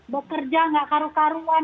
bekerja tidak karu karuan